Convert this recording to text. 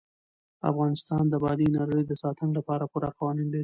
افغانستان د بادي انرژي د ساتنې لپاره پوره قوانین لري.